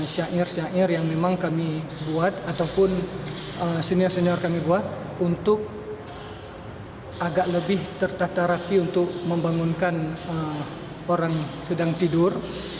syair syair yang memang kami buat ataupun senior senior kami buat untuk agak lebih tertata rapi untuk membangunkan orang sedang tidur